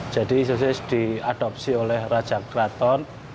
sosis diadopsi oleh raja kraton